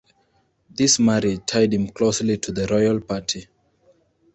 This marriage tied him closely to the royal party.